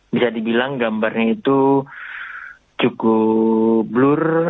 bisa dibilang gambarnya itu cukup blur